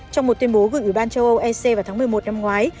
trong một tuyên bố gửi ủy ban châu âu ec vào tháng một mươi một năm ngoái